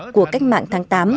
của cách mạng tháng tám